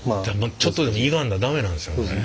ちょっとでもいがんだら駄目なんですよね。